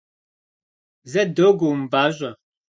Зэ, догуэ, умыпӏащӏэ!